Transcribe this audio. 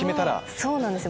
そうなんですよ。